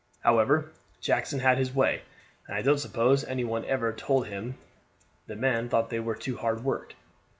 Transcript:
"However, Jackson had his way, and I don't suppose any one ever told him the men thought they were too hard worked.